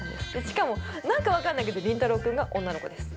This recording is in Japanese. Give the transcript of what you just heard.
しかも何かわかんないけど倫太郎君が女の子です